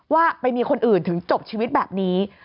ว่าไปมีคนอื่นถึงจบชีวิตแบบนี้